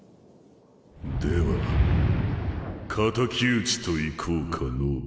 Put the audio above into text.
では敵討ちといこうかのう。